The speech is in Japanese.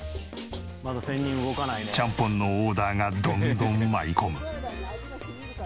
ちゃんぽんのオーダーがどんどん舞い込む。